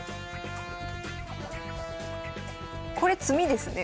これ詰みですね。